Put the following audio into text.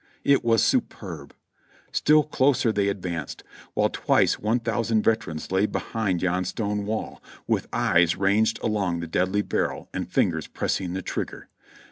It was superb ! Still closer they advanced, while twice one thousand veterans lay behind yon stone wall, with eyes ranged along the deadly barrel and fingers pressing the trigger.